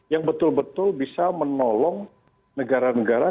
yang betul betul bisa menolong negara negara